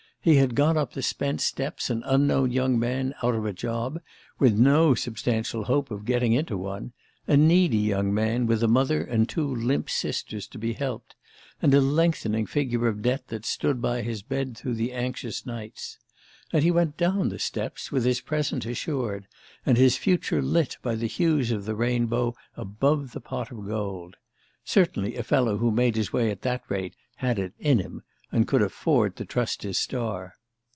He had gone up the Spence steps an unknown young man, out of a job, and with no substantial hope of getting into one: a needy young man with a mother and two limp sisters to be helped, and a lengthening figure of debt that stood by his bed through the anxious nights. And he went down the steps with his present assured, and his future lit by the hues of the rainbow above the pot of gold. Certainly a fellow who made his way at that rate had it "in him," and could afford to trust his star.